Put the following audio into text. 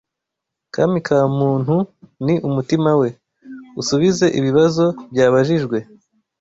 Kami ka muntu ni umutima we usubize ibibazo byabajijwe